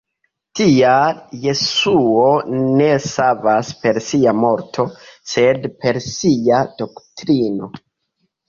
Tial Jesuo ne savas per sia morto, sed per sia doktrino.